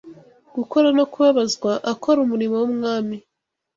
gukora no kubabazwa akora umurimo w’Umwami